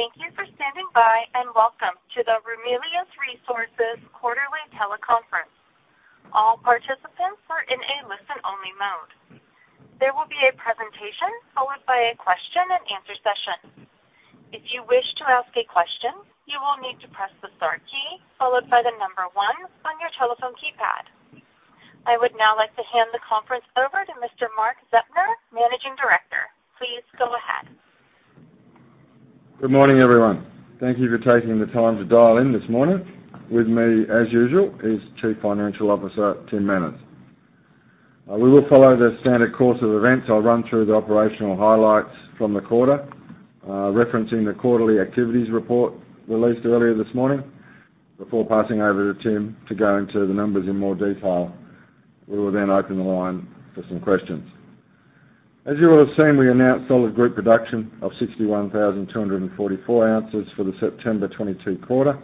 Thank you for standing by, and welcome to the Ramelius Resources quarterly teleconference. All participants are in a listen-only mode. There will be a presentation followed by a question and answer session. If you wish to ask a question, you will need to press the star key followed by the number one on your telephone keypad. I would now like to hand the conference over to Mr. Mark Zeptner, Managing Director. Please go ahead. Good morning, everyone. Thank you for taking the time to dial in this morning. With me, as usual, is Chief Financial Officer Tim Manners. We will follow the standard course of events. I'll run through the operational highlights from the quarter, referencing the quarterly activities report released earlier this morning before passing over to Tim to go into the numbers in more detail. We will then open the line for some questions. As you will have seen, we announced solid group production of 61,244 ounces for the September 2022 quarter,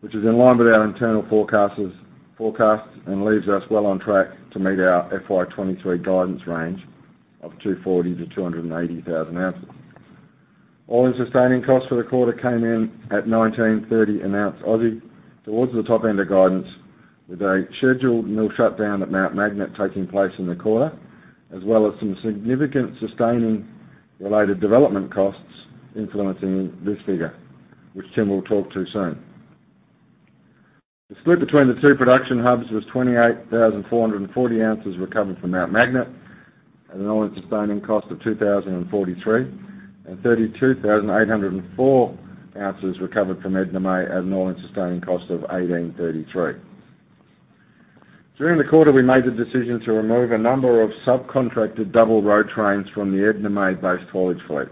which is in line with our internal forecasters' forecasts and leaves us well on track to meet our FY 2023 guidance range of 240,000-280,000 ounces. All-in sustaining costs for the quarter came in at 1,930 an ounce, towards the top end of guidance, with a scheduled mill shutdown at Mt Magnet taking place in the quarter, as well as some significant sustaining related development costs influencing this figure, which Tim will talk to soon. The split between the two production hubs was 28,440 ounces recovered from Mt Magnet at an all-in sustaining cost of 2,043, and 32,804 ounces recovered from Edna May at an all-in sustaining cost of 1,833. During the quarter, we made the decision to remove a number of subcontracted double road trains from the Edna May-based haulage fleet.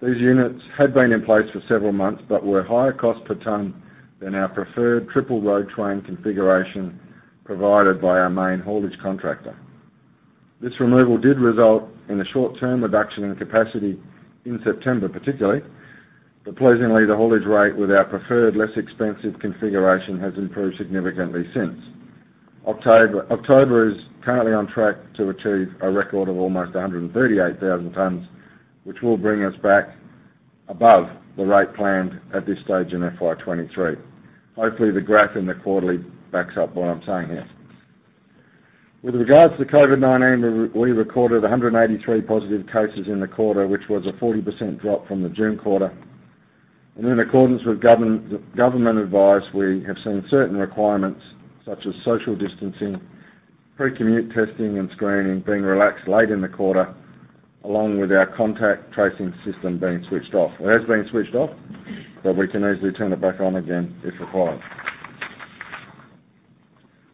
These units had been in place for several months but were higher cost per ton than our preferred triple road train configuration provided by our main haulage contractor. This removal did result in a short-term reduction in capacity in September, particularly. Pleasingly, the haulage rate with our preferred, less expensive configuration has improved significantly since. October is currently on track to achieve a record of almost 138,000 tons, which will bring us back above the rate planned at this stage in FY 2023. Hopefully, the graph in the quarterly backs up what I'm saying here. With regards to COVID-19, we recorded 183 positive cases in the quarter, which was a 40% drop from the June quarter. In accordance with government advice, we have seen certain requirements such as social distancing, pre-commute testing, and screening being relaxed late in the quarter, along with our contact tracing system being switched off. It has been switched off, but we can easily turn it back on again if required.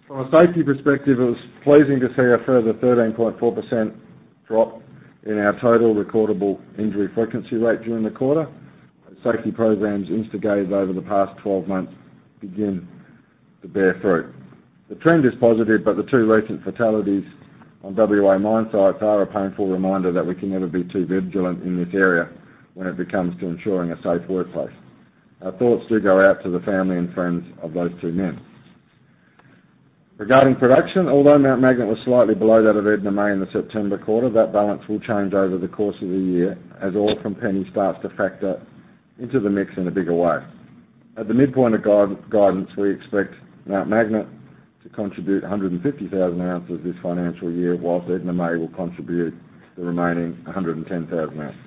From a safety perspective, it was pleasing to see a further 13.4% drop in our total recordable injury frequency rate during the quarter. Our safety programs instigated over the past twelve months begin to bear fruit. The trend is positive, but the two recent fatalities on WA mine sites are a painful reminder that we can never be too vigilant in this area when it comes to ensuring a safe workplace. Our thoughts do go out to the family and friends of those two men. Regarding production, although Mt Magnet was slightly below that of Edna May in the September quarter, that balance will change over the course of the year as ore from Penny starts to factor into the mix in a bigger way. At the midpoint of guidance, we expect Mt Magnet to contribute 150,000 ounces this financial year, while Edna May will contribute the remaining 110,000 ounces.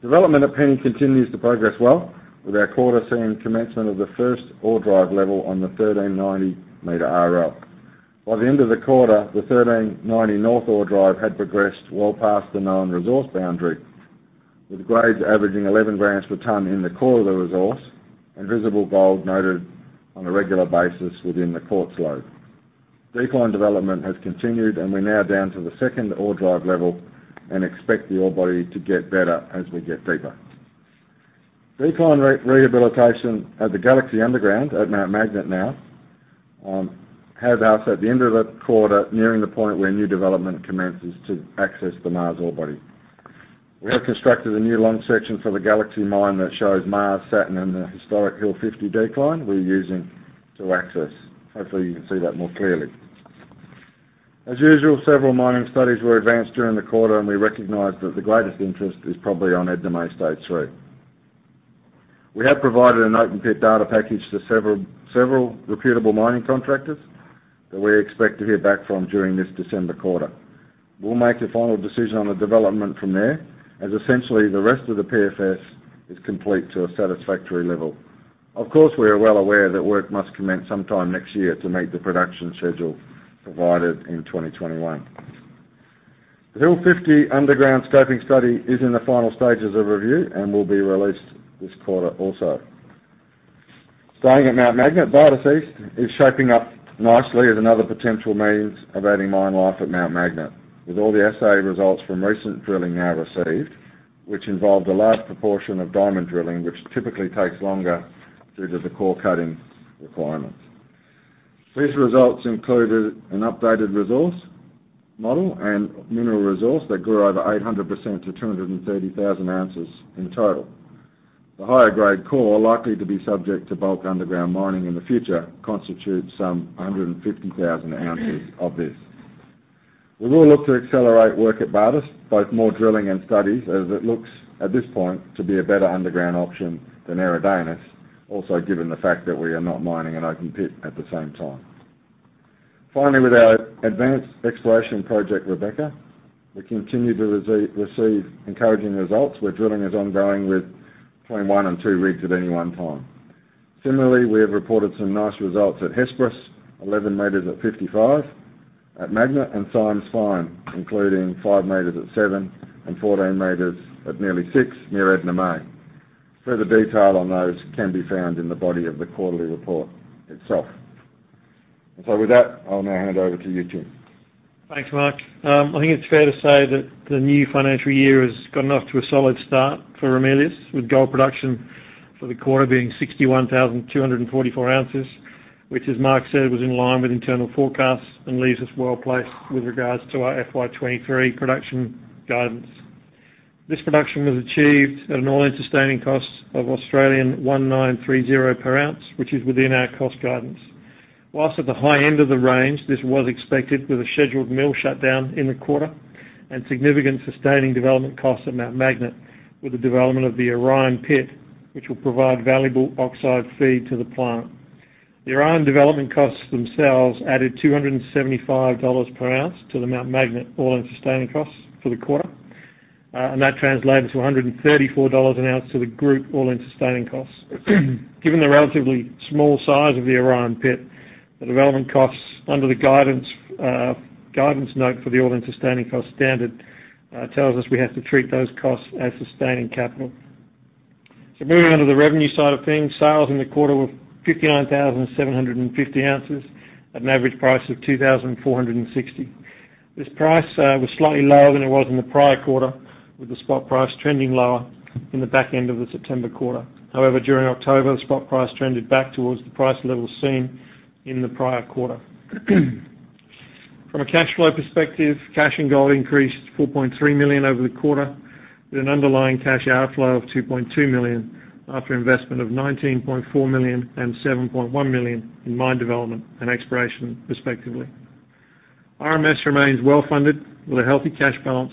Development at Penny continues to progress well, with our quarter seeing commencement of the first ore drive level on the 1,390-meter RL. By the end of the quarter, the 1,390 north ore drive had progressed well past the known resource boundary, with grades averaging 11 grams per ton in the core of the resource and visible gold noted on a regular basis within the quartz lode. Decline development has continued, and we're now down to the second ore drive level and expect the ore body to get better as we get deeper. Decline rehabilitation at the Galaxy underground at Mt Magnet now has us at the end of the quarter, nearing the point where new development commences to access the Mars ore body. We have constructed a new long section for the Galaxy mine that shows Mars, Saturn, and the historic Hill 50 decline we're using to access. Hopefully, you can see that more clearly. As usual, several mining studies were advanced during the quarter, and we recognized that the greatest interest is probably on Edna May Stage 3. We have provided an open pit data package to several reputable mining contractors that we expect to hear back from during this December quarter. We'll make a final decision on the development from there, as essentially the rest of the PFS is complete to a satisfactory level. Of course, we are well aware that work must commence sometime next year to meet the production schedule provided in 2021. The Hill 50 underground scoping study is in the final stages of review and will be released this quarter also. Starting at Mt Magnet, Vera's is shaping up nicely as another potential means of adding mine life at Mt Magnet. With all the assay results from recent drilling now received, which involved a large proportion of diamond drilling, which typically takes longer due to the core cutting requirements. These results included an updated resource model and mineral resource that grew over 800% to 230,000 ounces in total. The higher grade core likely to be subject to bulk underground mining in the future constitutes some 150,000 ounces of this. We will look to accelerate work at Bardoc, both more drilling and studies, as it looks at this point to be a better underground option than Eridanus, also given the fact that we are not mining an open pit at the same time. Finally, with our advanced exploration project, Rebecca, we continue to receive encouraging results, where drilling is ongoing with between one and two rigs at any one time. Similarly, we have reported some nice results at Hesperus, 11 meters at 55, at Magnet and Symes' Find, including 5 meters at seven and 14 meters at nearly six near Edna May. Further detail on those can be found in the body of the quarterly report itself. With that, I'll now hand over to you, Tim. Thanks, Mark. I think it's fair to say that the new financial year has gotten off to a solid start for Ramelius, with gold production for the quarter being 61,244 ounces, which, as Mark said, was in line with internal forecasts and leaves us well-placed with regards to our FY 2023 production guidance. This production was achieved at an all-in sustaining cost of 1,930 per ounce, which is within our cost guidance. While at the high end of the range, this was expected with a scheduled mill shutdown in the quarter and significant sustaining development costs at Mt Magnet with the development of the Orion pit, which will provide valuable oxide feed to the plant. The Orion development costs themselves added 275 dollars per ounce to the Mt Magnet all-in sustaining costs for the quarter. That translated to 134 dollars an ounce to the group all-in sustaining costs. Given the relatively small size of the Orion pit, the development costs under the guidance note for the all-in sustaining cost standard tells us we have to treat those costs as sustaining capital. Moving on to the revenue side of things. Sales in the quarter were 59,750 ounces at an average price of 2,460. This price was slightly lower than it was in the prior quarter, with the spot price trending lower in the back end of the September quarter. However, during October, the spot price trended back towards the price level seen in the prior quarter. From a cash flow perspective, cash and gold increased 4.3 million over the quarter, with an underlying cash outflow of 2.2 million after investment of 19.4 million and 7.1 million in mine development and exploration respectively. RMS remains well-funded with a healthy cash balance,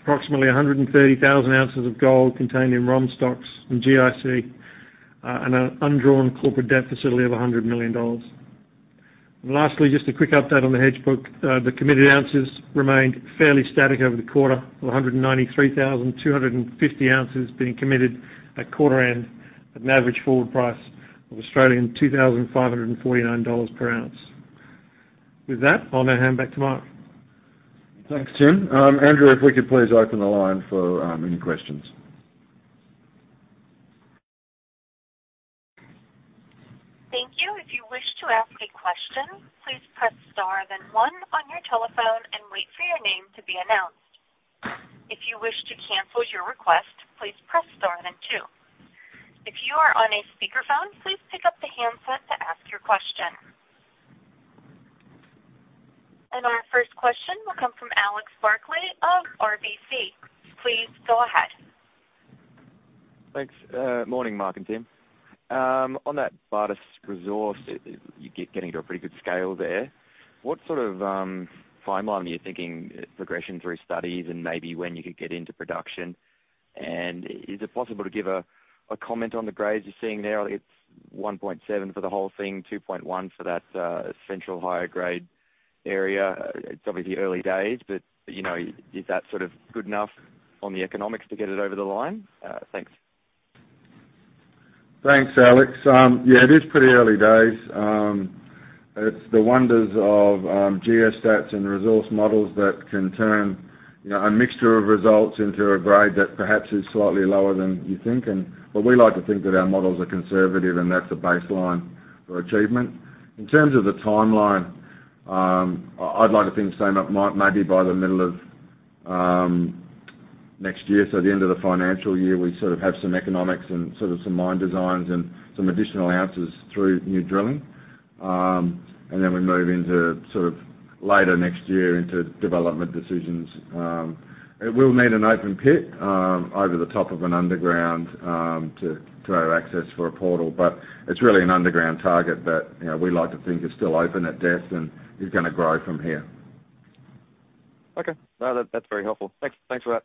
approximately 130,000 ounces of gold contained in ROM stocks and GIC, and an undrawn corporate debt facility of 100 million dollars. Lastly, just a quick update on the hedge book. The committed ounces remained fairly static over the quarter, with 193,250 ounces being committed at quarter end at an average forward price of 2,549 Australian dollars per ounce. With that, I'll now hand back to Mark. Thanks, Tim. Andrew, if we could please open the line for any questions. Thank you. If you wish to ask a question, please press star then one on your telephone and wait for your name to be announced. If you wish to cancel your request, please press star and then two. If you are on a speakerphone, please pick up the handset to ask your question. Our first question will come from Alex Barkley of RBC. Please go ahead. Thanks. Morning, Mark and Tim. On that Bardoc resource, you keep getting to a pretty good scale there. What sort of timeline are you thinking progression through studies and maybe when you could get into production? And is it possible to give a comment on the grades you're seeing there? It's 1.7 for the whole thing, 2.1 for that central higher grade area. It's obviously early days, but, you know, is that sort of good enough on the economics to get it over the line? Thanks. Thanks, Alex. Yeah, it is pretty early days. It's the wonders of geostats and resource models that can turn, you know, a mixture of results into a grade that perhaps is slightly lower than you think. We like to think that our models are conservative, and that's a baseline for achievement. In terms of the timeline, I'd like to think same maybe by the middle of next year. At the end of the financial year, we sort of have some economics and sort of some mine designs and some additional answers through new drilling. We move into sort of later next year into development decisions. It will need an open pit over the top of an underground to have access for a portal. It's really an underground target that, you know, we like to think is still open at depth and is gonna grow from here. Okay. No, that's very helpful. Thanks for that.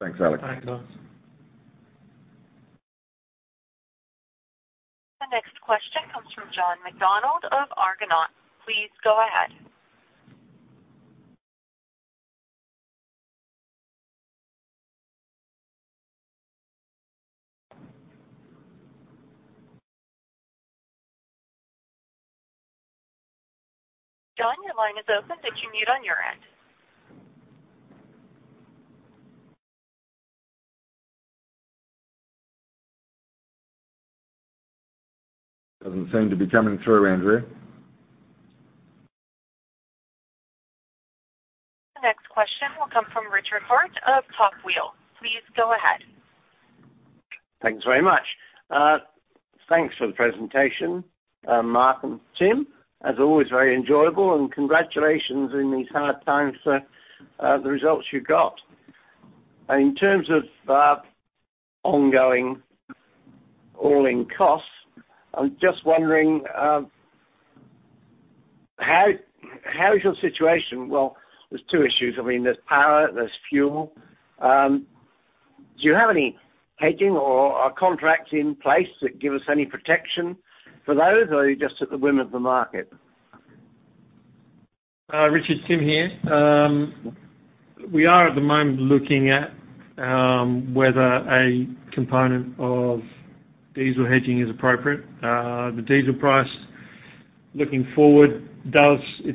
Thanks, Alex. Thanks, Alex. The next question comes from John Macdonald of Argonaut. Please go ahead. John, your line is open, but you're mute on your end. Doesn't seem to be coming through, Andrew. The next question will come from Richard Hart of Top Wheel. Please go ahead. Thanks very much. Thanks for the presentation, Mark and Tim. As always, very enjoyable and congratulations in these hard times for the results you got. In terms of ongoing all-in costs, I'm just wondering how is your situation? Well, there's two issues. I mean, there's power, there's fuel. Do you have any hedging or contracts in place that give us any protection for those, or are you just at the whim of the market? Richard, Tim here. We are at the moment looking at whether a component of diesel hedging is appropriate. The diesel price looking forward is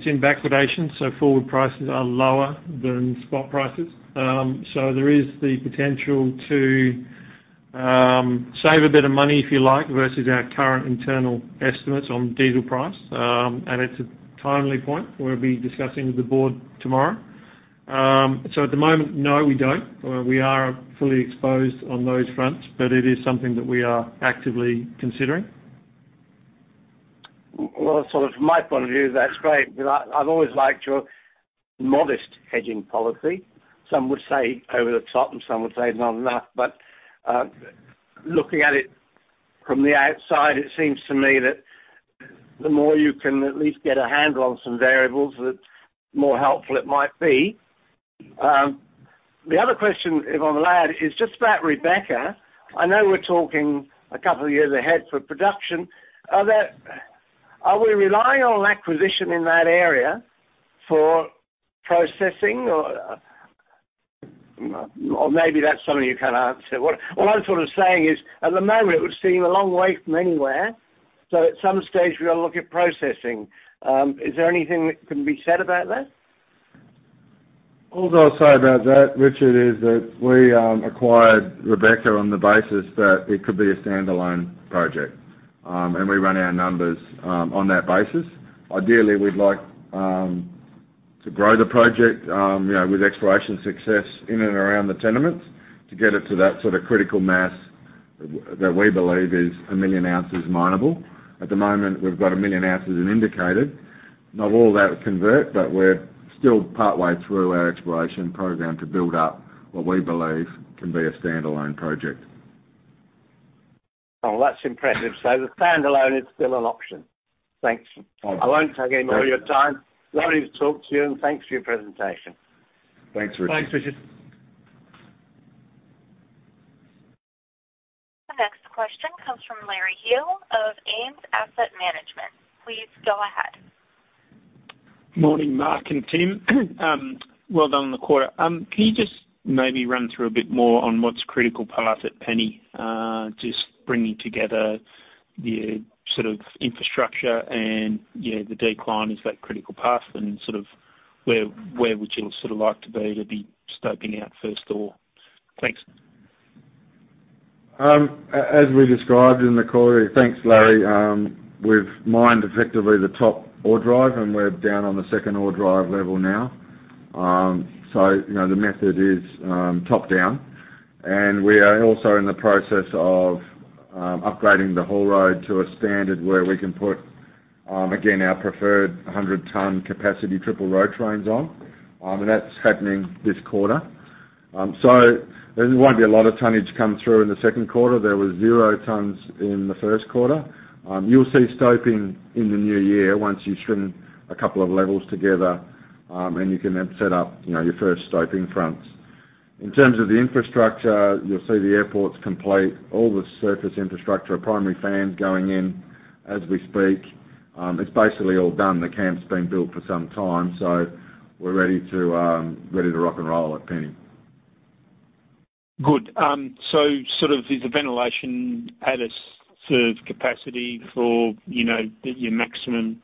in backwardation, so forward prices are lower than spot prices. There is the potential to save a bit of money, if you like, versus our current internal estimates on diesel price. It is a timely point we'll be discussing with the board tomorrow. At the moment, no, we don't. We are fully exposed on those fronts, but it is something that we are actively considering. Well, sort of from my point of view, that's great. You know, I've always liked your modest hedging policy. Some would say over the top and some would say not enough. Looking at it from the outside, it seems to me that the more you can at least get a handle on some variables, the more helpful it might be. The other question, if I'm allowed, is just about Rebecca. I know we're talking a couple of years ahead for production. Are we relying on acquisition in that area for processing or maybe that's something you can't answer. What I'm sort of saying is, at the moment it would seem a long way from anywhere, so at some stage we ought to look at processing. Is there anything that can be said about that? All I'll say about that, Richard, is that we acquired Rebecca on the basis that it could be a standalone project. We run our numbers on that basis. Ideally, we'd like to grow the project, you know, with exploration success in and around the tenements to get it to that sort of critical mass that we believe is a million ounces mineable. At the moment, we've got a million ounces in indicated. Not all of that will convert, but we're still partway through our exploration program to build up what we believe can be a standalone project. Oh, that's impressive. So the standalone is still an option. Thanks. Thanks. I won't take any more of your time. Lovely to talk to you, and thanks for your presentation. Thanks, Richard. Thanks, Richard. The next question comes from Larry Hill of Ames Asset Management. Please go ahead. Morning, Mark and Tim. Well done on the quarter. Can you just maybe run through a bit more on what's critical path at Penny? Just bringing together the sort of infrastructure and, you know, the decline, is that critical path and sort of where would you sort of like to be to be scoping out first ore? Thanks. We described in the quarter. Thanks, Larry. We've mined effectively the top ore drive, and we're down on the second ore drive level now. So, you know, the method is top down, and we are also in the process of upgrading the haul road to a standard where we can put, again, our preferred 100 ton capacity triple road trains on. And that's happening this quarter. So there won't be a lot of tonnage come through in the Q2. There was zero tons in the Q1. You'll see stoping in the new year once you string a couple of levels together, and you can then set up, you know, your first stoping fronts. In terms of the infrastructure, you'll see the airport's complete, all the surface infrastructure, a primary fan going in as we speak. It's basically all done. The camp's been built for some time, so we're ready to rock and roll at Penny. Good. Is the ventilation at a sort of capacity for, you know, your maximum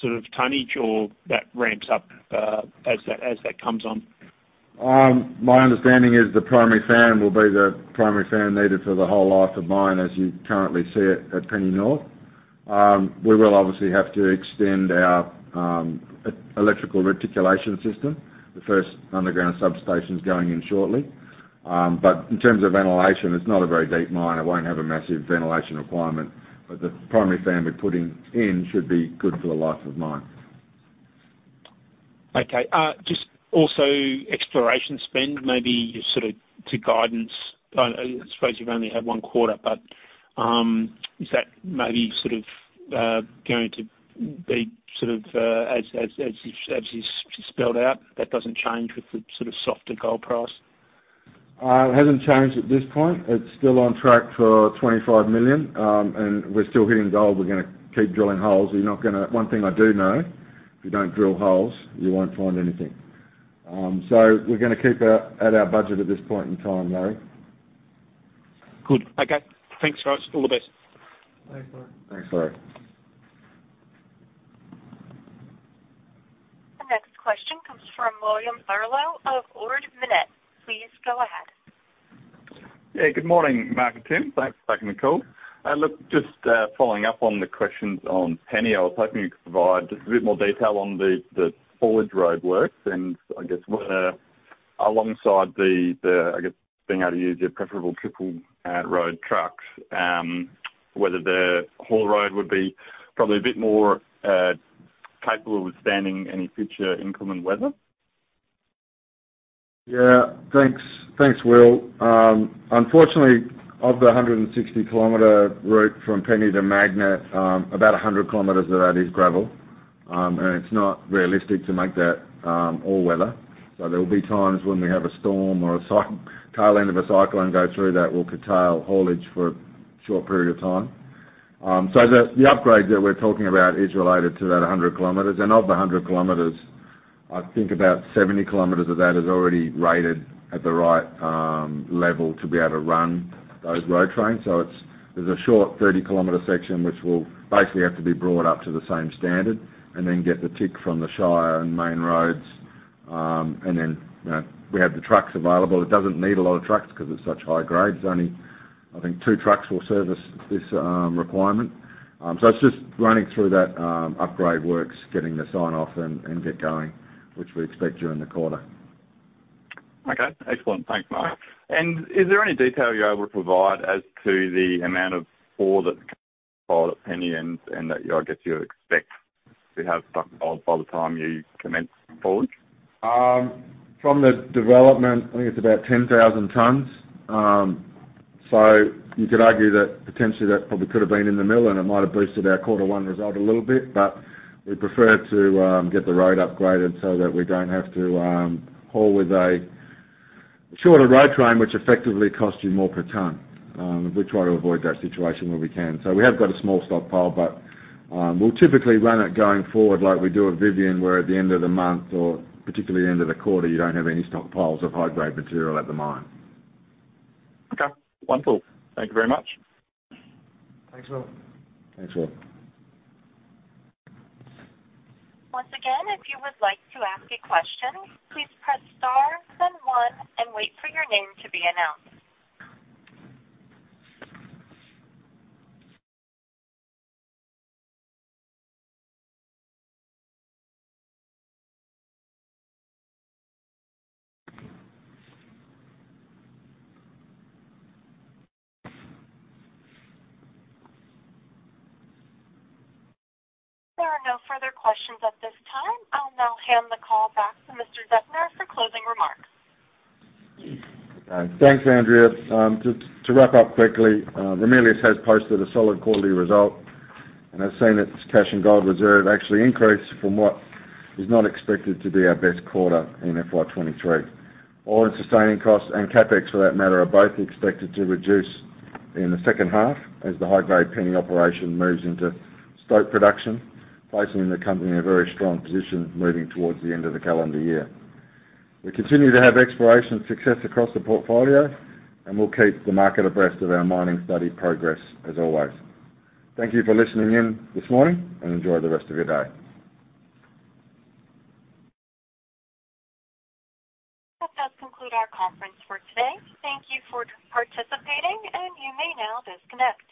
sort of tonnage or that ramps up as that comes on? My understanding is the primary fan needed for the whole life of mine, as you currently see it at Penny North. We will obviously have to extend our electrical reticulation system. The first underground substation's going in shortly. In terms of ventilation, it's not a very deep mine. It won't have a massive ventilation requirement. The primary fan we're putting in should be good for the life of mine. Okay. Just also exploration spend, maybe sort of to guidance. I suppose you've only had one quarter, but is that maybe sort of going to be sort of as you spelled out, that doesn't change with the sort of softer gold price? It hasn't changed at this point. It's still on track for 25 million. We're still hitting gold. We're gonna keep drilling holes. One thing I do know, if you don't drill holes, you won't find anything. We're gonna keep at our budget at this point in time, Larry. Good. Okay. Thanks, guys. All the best. Thanks, Larry. Thanks, Larry. The next question comes from William Barlow of Ord Minnett. Please go ahead. Yeah. Good morning, Mark and Tim. Thanks for taking the call. Look, just following up on the questions on Penny, I was hoping you could provide just a bit more detail on the forage roadworks and I guess where- Alongside the, I guess, being able to use your preferable triple road trucks, whether the haul road would be probably a bit more capable of withstanding any future inclement weather. Yeah. Thanks. Thanks, Will. Unfortunately, of the 160 km route from Penny to Magnet, about 100 km of that is gravel. It's not realistic to make that all weather. There will be times when we have a storm or tail end of a cyclone go through that will curtail haulage for a short period of time. The upgrade that we're talking about is related to that 100 km. Of the 100 km, I think about 70 km of that is already rated at the right level to be able to run those road trains. There's a short 30 km section which will basically have to be brought up to the same standard and then get the tick from the shire and main roads. You know, we have the trucks available. It doesn't need a lot of trucks because it's such high grades. Only, I think two trucks will service this requirement. It's just running through that upgrade works, getting the sign-off and get going, which we expect during the quarter. Okay. Excellent. Thanks, Mark. Is there any detail you're able to provide as to the amount of ore that's From the development, I think it's about 10,000 tons. You could argue that potentially that probably could have been in the mill, and it might have boosted our quarter one result a little bit, but we prefer to get the road upgraded so that we don't have to haul with a shorter road train, which effectively costs you more per ton. We try to avoid that situation where we can. We have got a small stockpile, but we'll typically run it going forward like we do at Vivian, where at the end of the month or particularly end of the quarter, you don't have any stockpiles of high grade material at the mine. Okay. Wonderful. Thank you very much. Thanks, Will. Thanks, Will. Once again, if you would like to ask a question, please press star then one and wait for your name to be announced. There are no further questions at this time. I'll now hand the call back to Mr. Zeptner for closing remarks. Thanks, Andrea. To wrap up quickly, Ramelius has posted a solid quarterly result and has seen its cash and gold reserve actually increase from what is not expected to be our best quarter in FY 2023. All-in sustaining costs and CapEx for that matter are both expected to reduce in the second half as the high-grade Penny operation moves into stope production, placing the company in a very strong position moving towards the end of the calendar year. We continue to have exploration success across the portfolio, and we'll keep the market abreast of our mining study progress as always. Thank you for listening in this morning, and enjoy the rest of your day. That does conclude our conference for today. Thank you for participating, and you may now disconnect.